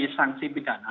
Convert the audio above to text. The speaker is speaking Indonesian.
dari sanksi pidana